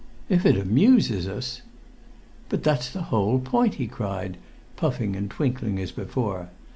"'If it amuses us!'" "But that's the whole point!" he cried, puffing and twinkling as before.